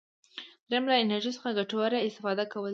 دریم له انرژي څخه ګټوره استفاده کول دي.